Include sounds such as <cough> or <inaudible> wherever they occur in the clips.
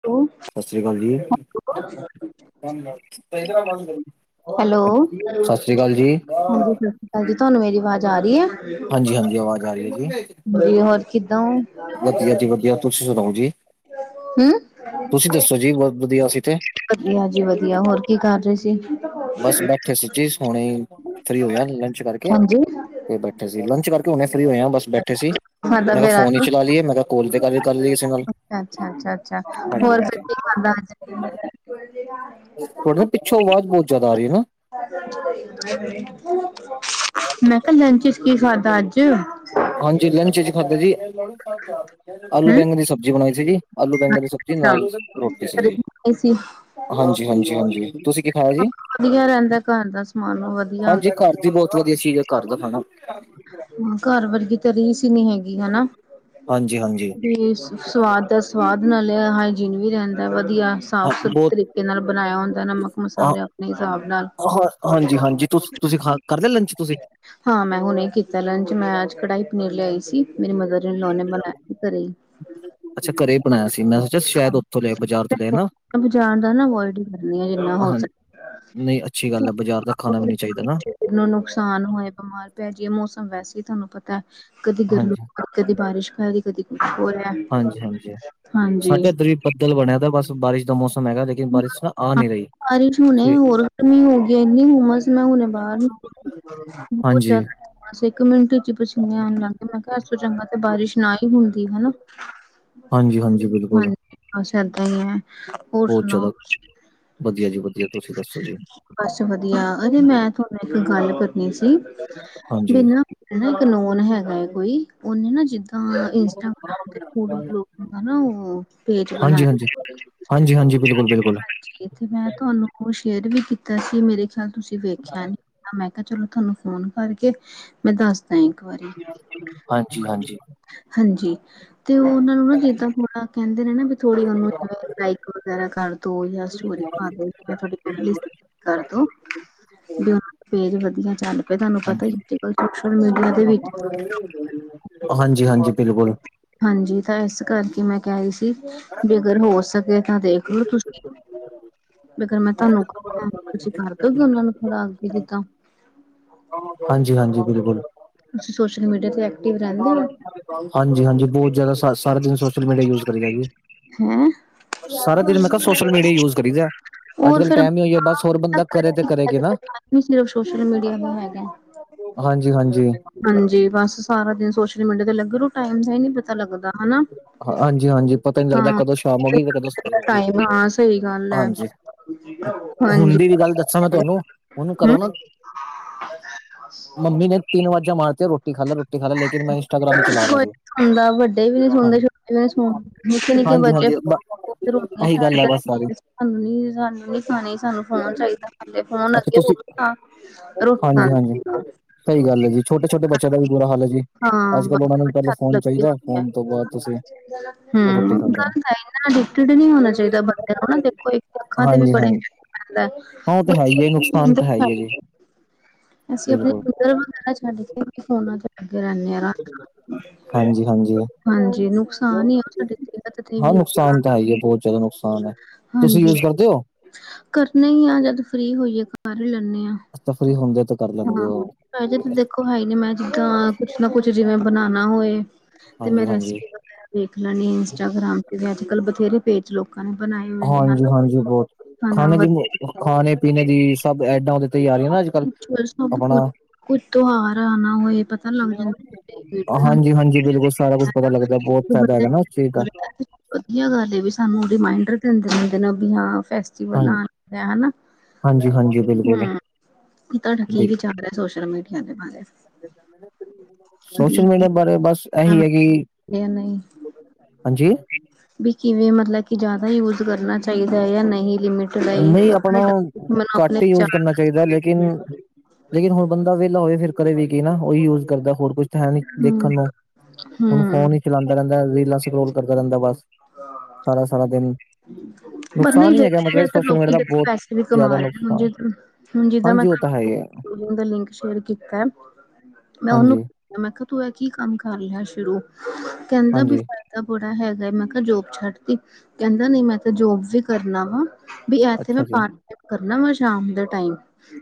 Hello, ਸਸ ਰੀਆ ਕਾਲ ਜੀ। ਹੈਲੋ, ਸਸ ਰੀ ਕਾਲ ਜੀ। ਸਤਿ ਸ਼੍ਰੀ ਹਾਂਜੀ, ਤੁਹਾਨੂੰ ਮੇਰੀ ਆਵਾਜ਼ ਆ ਰੀ ਐ। ਹਾਂਜੀ-ਹਾਂਜੀ, ਆਵਾਜ਼ ਆ ਰਈ ਐ ਜੀ। ਵਦੀਆ, ਹੋਰ ਕਿਦਾਂ ਓ? ਵਧੀਆ ਜੀ ਵਧੀਆ, ਤੁਸੀਂ ਸੁਣਾਓ ਜੀ। ਹੂੰ, ਤੁਸੀਂ ਦੱਸੋ ਜੀ, ਬਹੁਤ ਵਧੀਆ ਅਸੀਂ ਤੇ। ਵਧੀਆ ਜੀ ਵਧੀਆ, ਹੋਰ ਕੀ ਕਰ ਰਹੇ ਸੀ। ਬਸ ਬੈਠੇ ਸੀਜੀ, ਹੁਣੀ ਫਰੀ ਹੋਏ ਆ ਲੰਚ ਕਰਕੇ। ਹਾਂਜੀ ਤੇ ਬੈਠੇ ਸੀ, ਲੰਚ ਕਰਕੇ ਹੁਣੇੇ ਫ੍ਰੀ ਹੋਏ ਆਂ, ਬਸ ਬੈਠੇ ਸੀ। ਖਾਦਾ ਮੈਂ ਕਿਹਾ ਫੇਰ ਫੋਨ ਹੀ ਅੱਜ ਚਲਾ ਲੀਏ, ਮੈਂ ਕਿਹਾ ਕੋਲ ਤੇ ਗੱਲ ਕਰ ਲੀਏ ਕਿਸੇ ਨਾਲ ਅੱਛਾ ਗੱਲ, ਅੱਛਾ ਅੱਛਾ ਅੱਛਾ ਹੋਰ ਫਿਰ ਹਾਂਜੀ-ਹਾਂਜੀ। ਕੀ <unintelligible> ਥੋਡੇ ਨਾ ਪਿੱਛੋਂ ਆਵਾਜ਼ ਬਹੁਤ ਜ਼ਿਆਦਾ ਆ ਰਹੀ ਐ ਨਾ ਮੈਂ ਕਿਹਾ ਲੰਚ ਚ ਕੀ ਖਾਧਾ ਅੱਜ। ਹਾਂਜੀ ਲੰਚ ਖਾਧਾ ਜੀ, ਆਲੂ ਹੂੰ ਬੈਂਗਨ ਦੀ ਸਬਜ਼ੀ ਬਣਾਈ ਸੀ ਜੀ। ਆਲੂ ਬੈਂਗਣ ਦੀ ਸਬਜ਼ੀ ਨਾਲ ਰੋਟੀ ਸੀ ਜੀ, ਸੀ ਹਾਂਜੀ-ਹਾਂਜੀ-ਹਾਂਜੀ। ਤੁਸੀਂ ਕੀ ਖਾਇਆ ਜੀ, ਵਧੀਆ ਰਹਿੰਦਾ ਘਰ ਦਾ ਸਮਾਨ ਵਧੀਆ ਹਾਂਜੀ ਘਰ ਬਹੁਤ ਵਧੀਆ ਚੀਜ਼ ਐ ਘਰ ਦਾ ਖਾਣਾ। ਹਾਂ ਘਰ ਵਰਗੀ ਤਾਂ ਰੀਸ ਹੀ ਨਹੀਂ ਹੈਗੀ, ਹਨਾ। ਹਾਂਜੀ-ਹਾਂਜੀ। ਵੀ ਸਵਾਦ ਦਾ ਸਵਾਦ, ਨਾਲੇ ਹਾਈਜੀਨ ਵੀ ਰਹਿੰਦਾ ਵਧੀਆ। ਹਾਂ ਸਾਫ਼-ਸੁਥਰੇ ਬਹੁਤ ਤਰੀਕੇ ਨਾਲ ਬਣਾਇਆ ਹੁੰਦਾ, ਨਮਕ, ਹਾਂ ਮਸਾਲੇ ਆਪਣੇ ਹਿਸਾਬ ਨਾਲ। ਹਾਂ ਹਾਂਜੀ ਹਾਂਜੀ ਤੁ ਤੁਸੀਂ ਖਾ ਕਰਦੇ ਓ ਲੰਚ ਤੁਸੀਂ। ਹਾਂ ਮੈਂ ਹੁਣੇ ਕੀਤਾ ਲੰਚ ਮੈਂ ਅੱਜ ਕੜਾਈ ਪਨੀਰ ਲਿਆਈ ਸੀ, ਮੇਰੀ ਮਦਰ ਇਨ ਲੋ ਨੇ ਬਣਾਇਆ ਸੀ ਘਰੇ ਹੀ ਅੱਛਾ ਘਰੇ ਬਣਾਇਆ ਸੀ, ਮੈਂ ਸੋਚਿਆ ਸ਼ਾਇਦ ਉੱਥੋਂ ਲੈ ਆਇਓ ਬਾਜ਼ਾਰ ਤੋਂ ਨਾ। ਬਜ਼ਾਰ ਦਾ ਨਾ ਅਵੋਇਡ ਹੀ ਕਰਨੀ ਆ, ਜਿੰਨਾ ਹੋ ਹਾਂ ਸਕੇ। ਨਹੀਂ ਅੱਛੀ ਗੱਲ ਐ, ਬਜ਼ਾਰ ਦਾ ਖਾਣਾ ਵੀ ਨੀ ਚਾਹੀਦਾ ਨਾ। ਸਰੀਰ ਨੂੰ ਨੁਕਸਾਨ ਹੋਇਆ ਬਿਮਾਰ ਪੈ ਜੀਏ, ਮੌਸਮ ਵੈਸੇ ਹੀ ਤੁਹਾਨੂੰ ਪਤਾ ਕਦੀ ਗਰਮੀ ਹਾਂਜੀ ਦਾ ਕਦੀ ਬਾਰਿਸ਼ ਪੈ ਗਈ, ਕਦੀ ਕੁਛ ਹੋ ਰਿਹਾ, ਹਾਂਜੀ ਹਾਂਜੀ ਹਾਂਜੀ। ਸਾਡੇ ਇੱਧਰ ਵੀ ਬੱਦਲ ਬਣਿਆ ਤਾਂ ਬਸ ਬਾਰਿਸ਼ ਦਾ ਮੌਸਮ ਹੈਗਾ, ਲੇਕਿਨ ਬਾਰਿਸ਼ ਨਾ ਆ ਨੀ ਬਾਰਿਸ਼ ਹੁਣੇ ਹੋਰ ਗਰਮੀ ਹੋ ਗਈ, ਇੰਨੀ ਹੁੰਮਸ ਮੈਂ ਹੁਨੇ ਬਾਹਰ ਬਹੁਤ ਹਾਂਜੀ ਜ਼ਾਦਾ ਹੁੰਮਸ, ਇੱਕ ਮਿੰਟ ਚ ਪਸੀਨੇ ਆਣ ਲੱਗ ਗੇ। ਮੈਂ ਕਿਹਾ ਏਸ ਤੋਂ ਚੰਗਾ ਤੇ ਬਾਰਿਸ਼ ਨਾ ਈ ਹੁੰਦੀ ਹਨਾ। ਹਾਂਜੀ-ਹਾਂਜੀ, ਬਿਲਕੁਲ। ਹਾਂਜੀ ਬਸ ਏਦਾਂ ਈ ਐ, ਹੋਰ ਬਹੁਤ ਜ਼ਿਆਦਾ ਸੁਣਾਓ ਵਧੀਆ ਜੀ ਵਧੀਆ, ਤੁਸੀਂ ਦੱਸੋ ਜੀ। ਬਸ ਵਦੀਆ, ਅਰੇ ਮੈਂ ਥੋਡੇ ਨਾਲ ਇੱਕ ਗੱਲ ਕਰਨੀ ਸੀ, ਹਾਂਜੀ ਮੈਨੂੰ ਨਾ ਮੇਰਾ ਨਾ ਇੱਕ ਨੋਨ ਹੈਗਾ ਏ ਕੋਈ, ਉਹਨੇ ਨਾ ਜਿੱਦਾਂ ਤਾਂ ਇੰਸਟਾਗ੍ਰਾਮ ਤੇ ਫ਼ੂਡ ਵਲੋਗ ਦਾ ਨਾ, ਉਹ ਪੇਜ ਹਾਂਜੀ ਬਣਾਇਆ। ਹਾਂਜੀ ਹਾਂਜੀ ਹਾਂਜੀ ਬਿਲਕੁਲ ਬਿਲਕੁਲ ਹਾਂਜੀ। ਤੇ ਮੈਂ ਤੁਹਾਨੂੰ ਉਹ ਸ਼ੇਅਰ ਵੀ ਕੀਤਾ ਸੀ। ਮੇਰੇ ਖਿਆਲ ਤੁਸੀਂ ਵੇਖਿਆ ਨੀ? ਮੈਂ ਕਿਹਾ ਚਲੋ ਤੁਹਾਨੂੰ ਫੋਨ ਕਰਕੇ। ਮੈਂ ਦੱਸ ਇੱਕ ਵਾਰੀ ਹਾਂਜੀ ਹਾਂਜੀ ਹਾਂਜੀ। ਤੇ ਉਹ ਉਹਨਾ ਨੂੰ ਨਾ ਜਿੱਦਾਂ ਥੋੜਾ ਕਹਿੰਦੇ ਨੇ ਨਾ ਵੀ ਥੋੜ੍ਹੀ ਉਹਨੂੰ ਲਕ। ਵਗੈਰਾ ਕਰ ਦੋ ਜਾਂ ਸਟੋਰੀ ਪਾਦੋ ਮੈਂ ਤੁਹਾਡੀੇ। ਕਰੋ ਪੇਜ ਵਧੀਆ ਚੱਲ। ਤੁਹਾਨੂੰ ਪਤਾ ਹੀ। ਹਾਂਜੀ ਅ ਸੋਸ਼ਲ ਮੀਡੀਆ ਦੇ ਵਿੱਚ। ਹਾਂਜੀ-ਹਾਂਜੀ ਬਿਲਕੁਲ, ਹਾਂਜੀ। ਤਾਂ ਇਸ ਕਰਕੇ ਮੈਂ ਕਿਹਾ ਹੀ ਸੀ। ਜੇ ਅਗਰ ਹੋ ਸਕੇ ਤਾਂ। ਦੇਖਲੋ ਤੁਸੀਂ <unintelligible> ਅਗਰ ਮੈਂ ਤੁਹਾਨੂੰ ਤੁਸੀਂ ਕਰ ਦਉਗੀ। ਉਹਨਾਂ ਨੂੰ ਥੋੜਾ ਅੱਗੇ ਜਿਦਾ। ਹਾਂਜੀ ਹਾਂਜੀ ਬਿਲਕੁਲ। ਤੁਸੀਂ ਸੋਸ਼ਲ ਮੀਡੀਆ ਤੇ। ਐਕਟਿਵ ਰਹਿੰਦੇ ਹੋ ਹਾਂਜੀ - ਹਾਂਜੀ। ਬਹੁਤ ਜਿਆਦਾ ਸਾਰਾ ਦਿਨ ਸੋਸ਼ਲ ਮੀਡੀਆ ਯੂਜ਼ ਕਰੀਦਾ ਜੀ। ਹੇਅ। ਸਾਰਾ ਦਿਨ ਮੈਂ ਕਿਹਾ ਸੋਸ਼ਲ ਮੀਡੀਆ ਯੂਜ ਕਰੀਦਾ, ਹੋਰ ਅੱਜ-ਕੱਲ ਫਿਰ ਟਾਈਮ ਹੀ ਹੋਈ ਹੈ ਬਸ ਹੋਰ ਬੰਦਾ ਕਰੇ ਤੇ ਕਰੇ ਕਿ ਨਾ। ਸਿਰਫ ਸੋਸ਼ਲ ਮੀਡੀਆ ਨੀ ਹੈਗੇ। ਹਾਂਜੀ - ਹਾਂਜੀ। ਹਾਂਜੀ। ਬਸ ਸਾਰਾ ਦਿਨ ਸੋਸ਼ਲ ਮੀਡੀਆ ਤੇ ਲੱਗ ਟਾਈਮ ਦਾ ਹੀ ਨਹੀਂ ਪਤਾ ਲੱਗਦਾ ਹਨਾ। ਹਾਂਜੀ - ਹਾਂਜੀ ਪਤਾ ਨਹੀਂ ਲੱਗਦਾ। ਹਾਂ ਕਦੋਂ ਸ਼ਾਮ ਹੋ ਗਈ ਤੇ ਕਦੋਂ ਸਵੇਰ ਹੋ ਗਈ ਟਾਈਮ ਹਾਂ ਸਹੀ ਗੱਲ ਹੈ ਹਾਂਜੀ। ਹੁਣ ਹਾਂਜੀ ਦੀ ਵੀ ਗੱਲ ਦੱਸਾਂ। ਮੈਂ ਤੁਹਾਨੂੰ ਉਹਨੂੰ ਹਮ ਕਰੋ ਨਾ। ਮੰਮੀ ਨੇ ਤਿੰਨ ਅਵਾਜਾਂ ਮਾਰਤੀਆ ਰੋਟੀ ਖਾ ਲੈ। ਰੋਟੀ ਖਾ ਲੇ। ਲੇਕਿਨ ਮੈਂ ਇੰਸਟਾਗ੍ਰਾਮ ਹੀ ਚਲਾ ਰਿਹਾ ਸੀ। ਹਣ ਦਾ ਵੱਡੇ ਵੀ ਨੀ ਸੁਣਦੇ। ਹਾਂਜੀ, ਛੋਟੇ ਵੀ ਨੀ ਸੁਣਦੇ ਨਿੱਕੇ ਨਿੱਕੇ ਬੱਚੇ। ਹਾਂਜੀ-ਹਾਂਜੀ ਬ ਰੋਟੀਆਂ ਇਹੀ ਗੱਲ ਹੈ ਛੱਡ ਬਸ ਸਾਰੀ, ਕੇ ਸਾਨੂੰ ਨੀ ਸਾਨੂੰ ਨੀ ਖਾਣੇ। ਸਾਨੂੰ ਫੋਨ ਚਾਹੀਦਾ। ਫੋਨ ਅੱਛਾ ਅੱਗੇ ਤੁਸੀਂ ਹੋ ਰੋਟੀ ਹਾਂਜੀ ਹਾਂਜੀ ਖਾਂ। ਸਹੀ ਗੱਲ ਜੀ। ਛੋਟੇ- ਛੋਟ ਬੱਚਿਆਂ ਦਾ ਵੀ ਬੁਰਾ ਹਾਲ ਹੈ ਜੀ। ਹਾਂ ਅੱਜ ਕੱਲ ਉਹ ਨੂੰ ਪਹਿਲੇ ਬਸ ਫੋਨ ਲੱਗੀ ਚਾਹੀਦਾ ਹੈ ਹੋਈ ਫੋਨ। ਤੋਂ ਬਾਅਦ ਤੁਸੀਂ ਹਮ ਰੋਟੀ ਖਾਂਦੇ ਨੇ ਗਲਤਨਾ ਅਡਟ ਨਹੀਂ ਹੋਣਾ ਚਾਹੀਦਾ। ਬੰਦੇ ਨੂੰ ਨਾ ਦੇਖੋ। ਅੱਖਾਂ ਤੇ ਵੀ ਹਾਂਜੀ ਬੜੇ ਹਾਂਜੀ ਲੌਸ ਪੈਂਦਾ। ਹਾਂ ਉਹ ਤਾਂ ਹੈ ਹੀ ਹੈ ਨੁਕਸਾਨ ਤਾਂ ਹੈ ਹੀ ਹੈ ਜੀ ਅਸੀਂ ਆਪਣੇ। ਬਿਲਕੁਲ ਧ ਵੈਰਾ ਛੱਡ ਕੇ ਫੋਨਾਂ ਲਗੇ ਰਹਿੰਦੇ ਆ। ਹਾਂਜੀ ਹਾਂਜੀ ਹਾਂਜੀ। ਨੁਕਸਾਨ ਹੀ ਆ ਸਾਡੇ ਸਿਹਤ ਤੇ ਹਾਂ ਵੀ ਨੁਕਸਾਨ ਤਾਂ ਹੈ ਹੀ ਹੈ ਬਹੁਤ ਜ਼ਿਆਦਾ ਨੁਕਸਾਨ ਹੈ ਤੁਸੀਂ ਹਾਂਜੀ। ਯੂਜ ਕਰਦੇ ਹੋ ਕਰਨੇ ਹੀ ਆ ਜ਼ਦ ਫਰੀ ਹੋਈਏ ਕਰ ਹੀ ਲੈਂਦੇ ਹਾਂ। ਤਾਂ ਫਰੀ ਹੁੰਦੇ ਆ ਤਾਂ ਕਰ ਲੈਂਦੇ ਹਾਂ ਹੋ। ਦੇਖੋ ਹੈ ਨ ਮੈਂ ਜਿੱਦਾਂ ਕੁਛ ਨਾ ਕੁਛ ਜਿਵੇਂ ਬਣਾਾ ਹੋਏ ਤੇ। ਹਾਂਜੀ ਮੈਂ ਹਾਂਜੀ ਰੈਂਸਪੀ। ਰਾ ਦੇਖ ਲੈਣੀ ਇੰਸਟਾਗ੍ਰਾਮ ਤੇ ਵੀ ਅੱਜ - ਕੱਲ੍ਹ ਬਥੇਰੇ। ਪੇਜ ਲੋਕਾਂ ਨੇ ਬਨਾਏ ਹੋਏ ਨੇ ਹਾਂਜੀ ਹਨਾ। ਹਾਂਜੀ ਬਹੁਤ <inaudible> ਖਾਣਾ ਵਧੀਆ ਖਾਣੇ- ਪੀਣੇ ਦੀ ਸਭ ਐਡਾ। ਉਹਦੇ ਤੀ ਆ ਰਹੀਆ ਅੱਜ-ਕੱਲ ਚ ਸਭ ਕੁਛ ਆਪਣਾ। ਕੁਝ ਤਿਉਹਾਰ ਆਣਾ ਹੋਏ ਪਤਾ ਲੱਗ ਜਾਂਦਾ ਹਾਂਜੀ - ਹਾਂਜੀ ਬਿਲਕੁਲ ਸਾਰਾ ਕੁਝ। ਪਤਾ ਲੱਗਦਾ। ਬਹੁਤ ਫ਼ਾਇਦਾ ਹੈਗਾ ਨਾਂ ਉਸ ਚੀਜ਼ ਦਾ। ਵਧੀਆ ਗੱਲ ਏ ਵੀ ਸਾਨੂੰ ਰੀਮਾਇੰਡਰ। <inaudible> ਵੀ ਹਾਂਜੀ ਹਨਾ ਹਾਂਜੀ ਹਾਂਜੀ ਬਿਲਕੁਲ ਤੁਹਾਡਾ ਕੀ ਬਿਲ ਵਿਚਾਰ ਹੈ। <unintelligible> ਸੋਸ਼ਲ ਮੀਡੀਆ ਦੇ ਬਾਰੇ। ਸੋਸ਼ਲ ਵੀ ਮੀਡੀਆ ਬਾਰੇ ਬਸ ਇਹੀ ਹੈ ਕੀ। ਜਾਂ ਨਹੀਂ ਹਾਂਜੀ। ਵੀ ਕਿਵੇਂ ਮਤਲਬ ਕਿ ਜ਼ਿਆਦਾ ਯੂਜ ਕਰਨਾ ਚਾਹੀਦਾ ਹੈ। ਜਾਂ ਨਹੀਂ ਲਿਮਿਟ। ਲਈ ਨਹੀਂ। ਆਪਣੇ ਆਪਣਾ ਮਤਲਬ ਆਪਣੇ ਘੱਟ ਹੀ ਯੂਜ਼ ਕਰਨਾ। ਵਿਚਾਰ ਚਾਹੀਦਾ ਲੇਕਿਨ - ਲੇਕਿਨ ਹੁਣ ਬੰਦਾ ਵਿਹਲਾ ਹੋਵੇ। ਫਿਰ ਕਦੇ ਵੀ ਕੀ ਨਾ ਉਹੀ ਯੂਜ਼ ਕਰਦਾ ਹੋਰ ਕੁਛ। ਹੈ ਨੀ ਦੇਖਣ ਹੂੰ ਨੂੰ ਹੁਣ ਹੂੰ ਫੋਨ ਹੀ ਚਲਾਉਂਦਾ ਰਹਿੰਦਾ। ਰੀਲਾਂ ਸਕੋਲ ਕਰਦਾ ਰਹਿੰਦਾ ਬਸ। ਸਾਰਾ - ਸਾਰਾ ਦਿਨ ਪਰ ਨਹੀਂ ਨੁਕਸਾਨ ਹੀ ਹੈਗਾ ਵੇਖਿਆ ਮਤਲਬ। ਜਾਏ ਸੋਸ਼ਲ ਮੀਡੀਆ ਲੋਕੀ ਦਾ ਦੇ ਬਹੁਤ ਪੈਸੇ ਵੀ ਕਮਾ ਜ਼ਿਆਦਾ ਰਹੇੇ। ਨੁਕਸਾਨ ਹੁਣ ਜਿੱਦਾਂ ਮੈਂ ਹਾਂਜੀ ਉਹ ਤਾਂ ਹੈ ਹੀ ਹੈ ਤੁਹਾਨੂੰ ਦਾ ਲਿੰਕ ਸ਼ੇਅਰ ਕੀਤਾ। ਮੈਂ ਉਹਨੂੰ ਹਾਂਜੀ ਮੈਂ ਕਿਹਾ ਤੂੰ ਇਹ ਕੀ ਕੰਮ ਕਰ ਲਿਆ ਸ਼ੁਰੂ ਕਹਿੰਦਾ ਬੀ ਹਾਂਜੀ ਤਾਂ ਬੜਾ ਹੈਗਾ ਐ ਮੈਂ ਕਿਹਾ ਜੋਬ ਛੱਡ ਤੀ ਕਹਿੰਦਾਂ ਨਹੀਂ ਮੈਂ ਤਾਂ ਜੋਬ ਵੀ ਕਰਨਾ ਵਾ। ਬਈ ਇਥੇ ਨਾ ਅੱਛਾ ਜੀ ਪਾਰਟ ਟਾਈਮ ਕਰਨਾ ਵਾ ਸ਼ਾਮ ਦੇ ਟੈਮ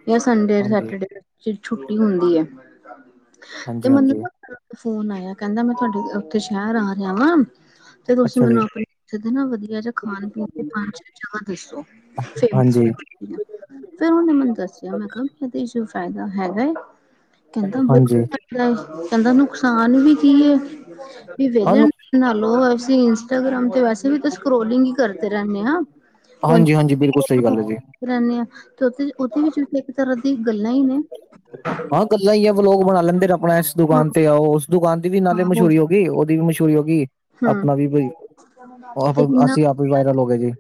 ਜਾਂ ਸੰਡੇ ਹਾਂਜੀ ਸੈਟਰਡੇ ਜਿਹੜੀ ਛੁੱਟੀ ਹੁੰਦੀ ਹੈ ਤੇ ਹਾਂਜੀ ਮੰਨੂ ਹਾਂਜੀ ਨਾ ਫੋਨ ਆਇਆ ਕਹਿੰਦਾ ਮੈਂ ਤੁਹਾਡੇ ਉਥੇ ਸ਼ਹਿਰ ਆ ਰਿਹਾ ਵਾਂ। ਤੇ ਤੁਸੀ ਅੱਛਾ ਜੀ ਮੈਨੂੰ ਆਪਣੇ ਜਿਹਦੇ ਨਾ ਵਧੀਆ ਜਾਂ ਖਾਣ ਪੀਣ ਹਾਂਜੀ <unintelligible> ਫਿਰ ਉਹਨੇ ਮੈਨੂੰ ਦੱਸਿਆ ਮੈਖਾ ਇਹਦੇ 'ਚ ਫਾਇਦਾ ਹੈਗਾ ਕਹਿੰਦਾ ਬਹੁਤ ਹਾਂਜੀ ਘੱਟ ਕਹਿੰਦਾ ਨੁਕਸਾਨ ਵੀ ਕੀ ਹੈ ਵੀ ਹਾਂ ਵਿਹਲੇਣ ਨਾਲ ਲੋ ਅਸੀ ਇੰਸਟਾਗ੍ਰਾਮ ਤੇ ਵੈਸੇ ਵੀ ਤਾਂ ਸਕਰੌਲਿੰਗ ਈ ਕਰਦੇ <unintelligible> ਹਾਂਜੀ ਹਾਂਜੀ ਬਿਲਕੁਲ ਸਹੀ ਗੱਲ ਹੈ ਜੀ ਰਹਿਨੇ ਆ ਤੇ ਉਥੇ-ਉਥੇ ਵੀ ਇੱਕ ਤਰ੍ਹਾਂ ਦੀ ਗੱਲਾਂ ਹੀ ਨੇ। ਹਾਂ ਗੱਲਾ ਹੀ ਆ ਬਲੋਗ ਬਣਾ ਲੈਂਦੇ ਨੇ ਆਪਣਾ ਇਸ ਹਾਂ ਦੁਕਾਨ ਤੇ ਆਉ ਉਸ ਦੁਕਾਨ ਦੀ ਵੀ ਇਹਨਾ ਦੇ ਹਾਂ ਹੋਰ ਮਸ਼ਹੂਰੀ ਹੋ ਵੀ ਉਹਦੀ ਵੀ ਮਸ਼ਹੂਰੀ ਹੋ ਗਈ ਹੂੰ ਆਪਣਾ ਵੀ ਕੁਝ ਔਰ ਫਿਰ ਅਸੀ ਆਪ ਵੀ ਵਾਇਰਲ ਹੋ ਗਏ ਜੀ।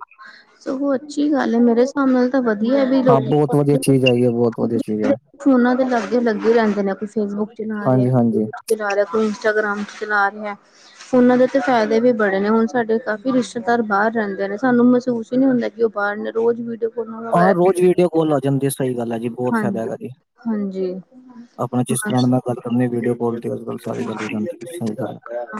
ਸੋ ਅੱਛੀ ਗੱਲ ਏ ਮੇਰੇ ਸਾਬ ਨਾਲ ਤਾਂ ਵਧੀਆ ਵੀ ਹਾਂ ਬਹੁਤ ਵਧੀਆ ਚੀਜ਼ ਹੈਗੀ ਹੈ ਬਹੁਤ ਵਧੀਆ ਚੀਜ਼ ਹੈ <unintelligible> ਫੋਨਾ ਤੇ ਲਾਗੇ ਲੱਗੇ ਰਹਿੰਦੇ ਨੇ ਕੋਈ ਫੇਸਬੁੱਕ ਚਲਾ ਰਿਹਾ। ਹਾਂਜੀ ਹਾਂਜੀ ਚਲਾ ਰਿਹਾ ਕੋਈ ਇੰਸਟਾਗ੍ਰਾਮ ਚਲਾ ਰਿਹਾ। ਉਹਨਾਂ ਦੇ ਤੇ ਫਾਇਦੇ ਵੀ ਬੜੇ ਨੇ ਹੁਣ ਸਾਡੇ ਕਾਫੀ ਰਿਸ਼ਤੇਦਾਰ ਬਾਹਰ ਰਹਿੰਦੇ ਨੇ ਸਾਨੂੰ ਮਹਿਸੂਸ ਨੀ ਹੁੰਦਾ ਕਿ ਉਹ ਬਾਹਰ ਨੇ ਰੋਜ਼ ਵੀਡੀਓ ਫੋਨਾਂ ਆਹ ਵਗੈਰਾ ਰੋਜ਼ ਵੀਡੀਓ ਕੋਲ ਆ ਜਾਂਦੀ ਸਹੀ ਗੱਲ ਹੈ ਜੀ ਬਹੁਤ ਫਾਇਦਾ ਹਾਂਜੀ ਹੈਗਾ ਜੀ। ਹਾਂਜੀ ਆਪਣਾ ਜਿਸ ਫਰੈਂਡ ਬਸ ਨਾਲ ਗੱਲ ਕਰਨੀ ਏ ਵੀਡੀਓ ਕਾਲ ਤੇ ਅੱਜ-ਕੱਲ ਸਾਰੀ ਗੱਲ ਹੋ ਜਾਂਦੀ। <unintelligible> ਹਾਂ।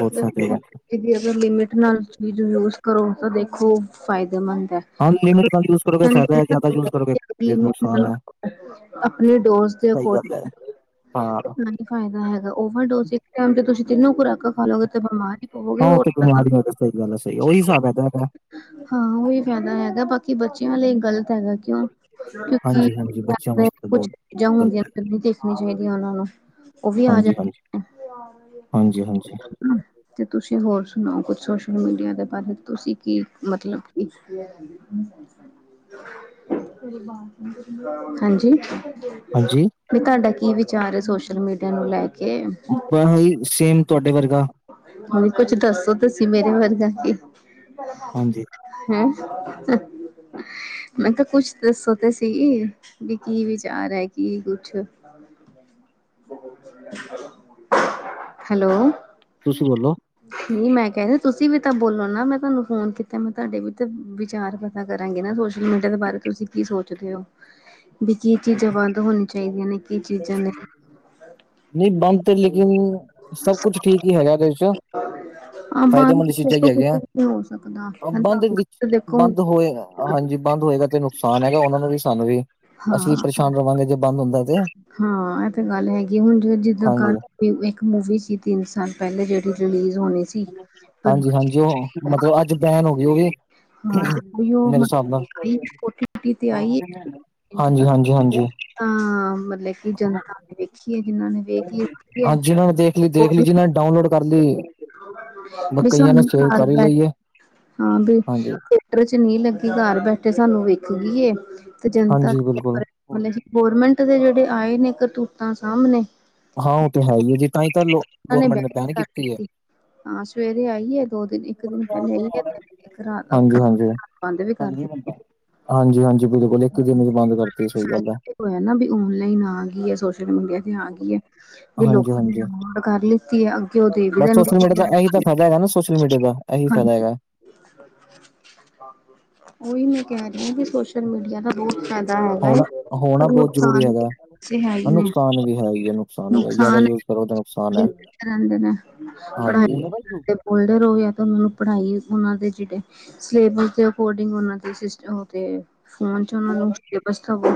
ਬਹੁਤ ਫਾਇਦਾ ਦੇਖੋ ਹੈਗਾ ਗੇ ਵੀ ਅਗਰ ਲਿਮਿਟ ਨਾਲ ਚੀਜ਼ ਯੂਜ ਕਰੋ ਤਾਂ ਦੇਖੋ ਫਾਇਦੇਮੰਦ ਹੈ। ਅਨ ਲਿਮਿਟ ਦਾ ਯੂਜ ਕਰੋਗੇ ਫੈਦਾ ਹੈ ਜ਼ਿਆਦਾ ਯੂਜ ਕਰੋਗੇੇ ਫਿਰ ਲਿਮਿਟ ਨੁਕਸਾਨ ਹੈ। <unintelligible> ਡੋਜ਼ ਦੇ ਸਹੀ ਗੱਲ ਹੈ ਅਕੋਰਡਿੰਗ ਹਾਂ। ਨਾ ਫਾਇਦਾ ਹੈਗਾ ਓਵਰਡੋਜ਼ ਇਕ ਟਾਈਮ ਤੇ ਤੁਸੀ ਤਿੰਨੋ ਖੁਰਾਕ ਖਾ ਲਵੋ ਗਏ ਬਿਮਾਰ ਹੀ ਪਵੋਗੇ ਹਾਂ ਉਹ ਹੋਰ ਤੇ ਕੀ ਕਰਨਾ ਬਿਮਾਰੀ ਹੋ ਸਹੀ ਗੱਲ ਹੈ ਸਹੀ ਉਹੀ ਹਿਸਾਬ ਹੈ ਇਹਦਾ ਹੈਗਾ <unintelligible> ਹਾਂ ਉਹੀ ਫਾਇਦਾ ਹੈਗਾ ਬਾਕੀ ਬੱਚਿਆਂ ਲਈ ਗ਼ਲਤ ਹੈਗਾ ਕਿਉ ਕਿਉਂਕਿ ਹਾਂਜੀ-ਹਾਂਜੀ, ਬੱਚਿਆਂ ਵਾਸਤੇ ਕੁਛ ਬਹੁਤ ਚੀਜ਼ਾਂ ਹੁੰਦੀਆਂ ਗ਼ਲਤ ਹੈਗਾ। ਨਹੀਂ ਦੇਖੀਆਂ ਚਾਹੀਦੀਆਂ ਉਹਨਾਂ ਨੂੰ ਉਹ ਵੀ ਆ ਜਾਂਣ ਹਾਂਜੀ-ਹਾਂਜੀ, <unintelligible> ਹਾਂਜੀ-ਹਾਂਜੀ ਹੂੰ ਤੇ ਤੁਸੀਂ ਹੋਰ ਸੁਣਾਓ ਕੁਛ ਸੋਸ਼ਲ ਮੀਡੀਆ ਦੇ ਬਾਰੇ ਤੁਸੀ ਕੀ ਮਤਲਬ ਕੀ ਹਾਂਜੀ ਹਾਂਜੀ ਵੀ ਤੁਹਾਡਾ ਕੀ ਵਿਚਾਰ ਹੈ ਸੋਸ਼ਲ ਮੀਡੀਆ ਨੂੰ ਲੈ ਕੇ ਆਪਾਂ ਹੀ ਸੇਮ ਤੁਹਾਡੇ ਵਰਗਾ ਹ ਕੁਛ ਦੱਸੋ ਤੁਸੀ ਮੇਰੇ ਵਰਗਾ ਹਾਂਜੀ, <unintelligible> <unintelligible> ਮੈਂ ਕਿਹਾ ਕੁੱਛ ਦੱਸੋ ਤੇ ਸੀ ਵੀ ਕੀ ਵਿਚਾਰ ਹੈ ਕੀ ਕੁੱਛ <inaudible> ਹੈਲੋ ਤੁਸੀਂ ਬੋਲੋ ਨਹੀਂ ਮੈਂ ਕਹਿ ਰਹੀ ਤੁਸੀਂ ਵੀ ਤਾਂ ਬੋਲੋ ਨਾ ਮੈਂ ਤੁਹਾਨੂੰ ਫੋਨ ਕੀਤਾ ਮੈਂ ਤੁਹਾਡੇ ਵੀ ਤੇ ਵਿਚਾਰ ਗੱਲਾ ਕਰਾਂਗੇ ਨਾ ਸੋਸ਼ਲ ਮੀਡੀਆ ਦੇ ਬਾਰੇ ਤੁਸੀਂ ਕੀ ਸੋਚਦੇ ਹੋ। ਵੀ ਕੀ ਚੀਜ਼ਾਂ ਬੰਦ ਹੋਣੀਆ ਚਾਹੀਦੀਆਂ ਨੇ ਕੀ ਚੀਜ਼ਾਂ ਨੇ। ਨਹੀਂ ਬੰਦ ਤੇ ਲੇਕਿਨ, ਸਭ ਕੁਛ ਠੀਕ ਨੀ ਹੈਗਾ ਐਦੇ ਚ। ਆ ਬੰਦ ਫ਼ਾਇਦੇਮੰਦ ਚੀਜ਼ਾਂ ਜੀ ਦੇਖੋ ਕੁਛ ਹੈਗੀਆਂ, ਨਹੀਂ ਹੋ ਸਕਦਾ ਆਪਾ ਹਨਾ ਤੇ ਵਿਚ ਦੇਖੋ ਬੰਦ ਹੋਏ ਆ। ਹਾਂਜੀ ਬੰਦ ਹੋਏਗਾ, ਤੇ ਨੁਕਸਾਨ ਹੈਗਾ ਉਹਨਾਂ ਨੂੰ ਵੀ ਸਾਨੂੰ ਵੀ, ਅਸੀਂ ਵੀ ਹਾਂ ਪਰੇਸ਼ਾਨ ਰਵਾਂਗੇ ਜੇ ਬੰਦ ਹੁੰਦਾ। ਤੇ ਹਾਂ,, ਇਹ ਤੇ ਗੱਲ ਹੈਗੀ, ਹੁਣ ਜ ਜਿਦਾਂ ਕੱਲ ਹਾਂਜੀ। ਇੱਕ ਮੂਵੀ ਸੀ, ਤਿੰਨ ਸਾਲ ਪਹਿਲੇ ਜਿਹੜੀ ਰਿਲੀਜ਼ ਹੋਣੀ ਸੀ। ਪਰ ਹਾਂਜੀ-ਹਾਂਜੀ, ਉਹ ਮਤਲਬ ਅੱਜ ਬੈਨ ਹੋ ਗਈ ਉਹ ਵੀ। ਹਾਂ ਤੇ ਉਹੀਓ ਮੇਰੇ ਹਿਸਾਬ ਨਾਲ, ਓਟੀਟੀ ਤੇ ਆਈ ਹਾਂਜੀ-ਹਾਂਜੀ-ਹਾਂਜੀ। ਹਾਂ, ਮਤਲਬ ਏ ਕਿ ਜਨਤਾ। ਵੇਖੀਏ ਜਿਨਾਂ ਨੇ ਵੇਖ ਲਈ ਏ ਹਾਂਜੀ ਜਿਹਨਾਂ ਨੇ ਦੇਖ ਲਈ ਦੇਖ ਲਈ ਜਿਹਨਾਂ ਨੇ ਡਾਊਨਲੋਡ ਕਰ ਲਈ। ਬਈ ਕਈਆਂ ਨੇ ਸਾਨੂੰ ਸੇਵ ਘਰ ਕਰ ਹੀ ਬੈਠ ਲਈ ਹੈ। ਹਾਂ ਬਈ। ਹਾਂਜੀ, ਚਲ ਨੀ ਲੱਗੀ ਘਰ ਬੈਠੇ ਸਾਨੂੰ ਵੇਖ ਗਈ ਐ ਤੇ ਜਨਤਾ ਹਾਂਜੀ ਬਿਲਕੁਲ <unintelligible> ਗਰਮੈਂਟ ਦੇ ਜਿਹੜੇ ਆਏ ਨੇ ਕਰਤੂਤਾਂ ਸਾਹਮਣੇ। ਹਾਂ ਉਹ ਤੇ ਹੈ ਹੀ ਐ, ਤਾਂ ਇਹ ਤਾਂ ਉਹਨਾਂ ਗੋਰਮੈਂਟ ਨੇ ਬੈਕ ਬੇਨ ਕਰ ਕੀਤੀ ਏ। ਦਿੱਤੀ ਹਾਂ, ਸਵੇਰੇ ਆਈਏ ਦੋ ਦਿਨ ਇੱਕ ਦਿਨ ਪਹਿਲੇ ਆਈਏ। ਹਾਂਜੀ-ਹਾਂਜੀ ਜੀ। ਦਿੱਤੀ ਹਾਂਜੀ-ਹਾਂਜੀ, ਬਿਲਕੁਲ ਇੱਕ ਘੰਟੇ ਚ ਬੰਦ ਕਰਤੀ, ਸਹੀ ਗੱਲ ਐ। ਹੋਇਆ ਨਾ ਵੀ ਔਨਲਾਈਨ ਆ ਗਈ ਐ ਸੋਸ਼ ਮੁੰਡੀਆ ਤੇ ਆ ਗਈ ਏ, ਵੀ ਹਾਂਜੀ, ਲੋਕਾਂ ਹਾਂਜੀ ਨੇਦ ਕਰ ਲਿੱਤੀ ਹੈ, ਅੱਗੇ ਉਹ ਦੇ ਵੀ ਦਿੰਦੇ ਨੇ। ਤਾਂ ਇਹੀ ਤਾਂ ਫਾਇਦਾ ਹੈਗਾ ਨਾ ਸੋਸ਼ਲ ਮੀਡੀਆ ਦਾ, ਇਹੀ ਫਾਇਦਾ ਹਾਂਜੀ ਹੈਗਾ। ਉਹੀ ਮੈਂ ਕਹਿ ਰਹੀ ਹਾਂ ਵੀ ਸੋਸ਼ਲ ਮੀਡੀਆ ਦਾ। ਬੋਤ ਫੈਦਾ ਹੈਗਾ ਏ। ਹੋਣਾ, ਹੋਣਾ ਬਹੁਤ ਜ਼ਰੂਰੀ ਹੈਗਾ। ਨੇ ਨੁਕਸਾਨ ਵੀ ਹੈ ਹੀ ਏ ਨੁਕਸਾਨ ਵੀ ਏ, ਜ਼ਿਆਦਾ ਯੂਜ ਕਰੋ ਤਾਂ ਨੁਕਸਾਨ ਹੈ। ਰਹਿੰਦੇ ਨੇ ਪੜ੍ਹਾਈ ਹਾਂਜੀ। ਕਰ ਬੋਲਦੇ ਰਹੋ, ਜਾਂ ਤੇ ਉਹਨਾਂ ਨੂੰ ਪੜ੍ਹਾਈ ਉਹਨਾਂ ਦੇ ਜਿਹੜੇ। ਸਿਲੇਬਸ ਦੇ ਅਕੋਰਡਿੰਗ, ਉਹਨਾਂ ਦੇ ਸਿਸ ਉਹ ਤੇ ਫੋਨ ਚ ਉਹਨਾਂ ਨੂੰ ਸਿਲੇਬਸ ਦਵੋ,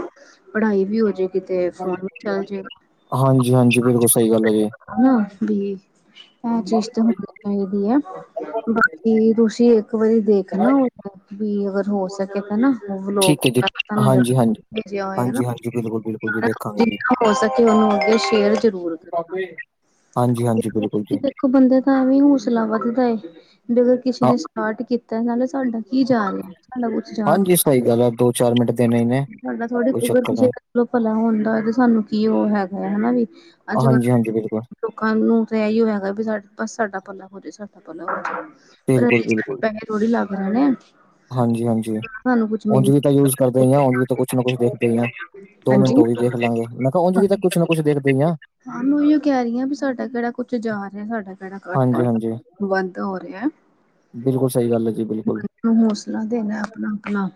ਪੜ੍ਹਾਈ ਵੀ ਹੋ ਜਾੇ। ਕਿਤੇ ਫੋਨ ਵੀ ਚਲ ਜਾਏਗਾ। ਹਾਂਜੀ-ਹਾਂਜੀ, ਬਿਲਕੁਲ ਸਹੀ ਗੱਲ ਐ। ਹੈਨਾ ਬੀ। ਇਹ ਚੀਜ਼ ਤਾਂ ਹੋਣੀ ਚਾਹੀਦੀ ਆ, ਬਾਕੀ ਤੁਸ਼ੀ ਇੱਕ ਵਾਰੀ ਦੇਖਨਾਂ ਠੀਕ ਹੈ ਜੀ <unintelligible> ਹਾਂਜੀ, ਹਾਂਜੀ। ਭੇਜਿਆ ਹੋਇਆ ਹੋ ਨਾ, ਹਾਂਜੀ, ਹਾਂਜੀ ਬਿਲਕੁਲ, ਬਿਲਕੁਲ ਜੀ ਦੇਖਾਂਗੇ ਜੀ ਉਹਨੂੰ ਅੱਗੇ ਸ਼ੇਅਰ ਜ਼ਰੂਰ ਕਰਨਾ। ਹਾਂਜੀ-ਹਾਂਜੀ, ਬਿਲਕੁਲ ਠੀਕ। ਦੇਖੋ ਬੰਦੇ ਦਾ ਐਵੇ ਹੌਸਲਾ ਵੱਧਦਾ ਏ ਵੀ ਅਗਰ ਕਿਸੇ ਹਾਂ ਨੇ ਸਟਾਰਟ ਕੀਤਾ, ਨਾਲੇ ਸਾਡਾ ਕੀ ਜਾ ਰਿਹਾ, ਸਾਡਾ ਕੁਛ ਜਾ ਹਾਂਜੀ ਸਹੀ ਗੱਲ ਆ ਦੋ-ਚਾਰ ਮਿੰਟ ਦੇਣੇ ਹੀ ਨੇ। ਸਾਡਾ ਥੋੜ੍ਹੀ ਕੋਈ ਉਗਰ ਚੱਕਰ ਕਿਸੇ ਨਹੀਂ ਦਾ ਭਲਾ ਹੁੰਦਾ ਤੇ ਸਾਨੂੰ ਕੀ ਉਹ ਹੈਗਾ ਹੈਨਾ ਵ ਈ। ਅੱਜ ਕ ਹਾਂਜੀ-ਹਾਂਜੀ ਬਿਲਕੁਲ, ਲੋਕਾਂ ਨੂੰ ਤੇ ਇਹੀ ਹੋਆ ਹੈਗਾ ਵੀ ਸਾ ਬਸ ਸਾਡਾ ਪੱਲਾ ਹੋ ਜੇ ਸਾਡਾ ਪੱਲਾ ਹੋ ਜੇ ਪਰ ਬਿਲਕੁਲ-ਬਿਲਕੁਲ ਪੈਹੇ ਥੋੜੀ ਲੱਗ ਰਹੇ ਨੇ ਹਾਂਜੀ-ਹਾਂਜੀ, ਸਾਨੂੰ ਕੁੱਝ ਉਂਝ ਮਿਲ ਵੀ ਤਾਂ ਯੂਜ ਕਰਦੇ ਹੀ ਆ ਉਝ ਕੁਛ ਨਾ ਕੁਛ ਦੇਖਦੇ ਹੀ ਆ, ਦੋ-ਮਿੰਟ ਹਾਂਜੀ। ਉਹ ਵੀ ਦੇਖ ਲਾਂਗੇ। ਮੈਂ ਕਿਹਾ ਉਝ ਵੀ ਤਾਂ ਕੁਛ ਨਾ ਕੁਛ ਦੇਖਦੇ ਹੀ ਆ। ਹਾਂ ਮੈਂ ਉਹੀਓ ਕਹਿ ਰਹੀ ਹਾਂ ਵੀ ਸਾਡਾ ਕਿਹੜਾ ਕੁੱਛ ਜਾ ਰਿਹਾ ਸਾਡਾ। ਹਾਂਜੀ-ਹਾਂਜੀ ਬੰਦ ਹੋ ਰਿਹਾ। ਬਿਲਕੁਲ ਸਹੀ ਗੱਲ ਹੈ ਜੀ ਬਿਲਕੁਲ ਨੂੰ ਹੌਸਲਾ ਦੇਣਾ ਆਪਣਾ-ਆਪਣਾ,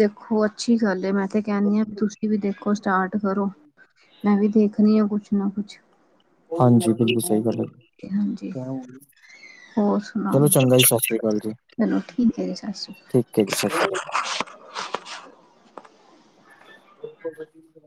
ਦੇਖੋ ਅੱਛੀ ਗੱਲ ਹੈ ਮੈਂ ਤੇ ਕਹਿੰਦੀ ਹ ਵੀ ਤੁਸੀਂ ਵੀ ਦੇਖੋ ਸਟਾਰਟ ਕਰੋ, ਮੈਂ ਵੀ ਦੇਖਣੀ ਆ ਕੁਛ ਨਾ ਕੁਛ। ਹਾਂਜੀ, ਬਿਲਕੁਲ ਸਹੀ ਗੱਲ ਹਾਂਜੀ ਐ। ਹੋਰ ਸੁਣਾਓ, ਅਕਾਲ ਜੀ ਚਲੋ ਠੀਕ ਏ ਜੀ, ਸਤਿ ਸ਼੍ਰੀ ਅਕਾਲ। ਠੀਕ ਐ, ਸਤਿ ਸ੍ਰੀ ਅਕਾਲ। <unintelligible>